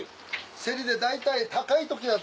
競りで大体高い時だと。